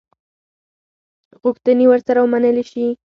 غوښتني ورسره ومنلي شي.